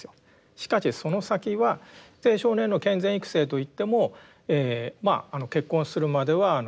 しかしその先は青少年の健全育成といっても結婚するまでは婚前交渉含めてですね